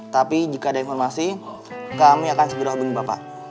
tapi jika ada informasi kami akan segera hubungi bapak